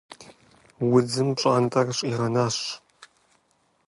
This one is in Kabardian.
Удзым пщӀантӀэр щӀигъэнащ.